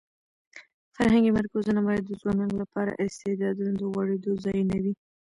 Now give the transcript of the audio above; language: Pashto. فرهنګي مرکزونه باید د ځوانانو لپاره د استعدادونو د غوړېدو ځایونه وي.